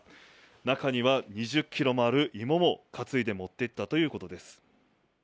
中には２０ｋｇもある芋も担いで持っていったということです。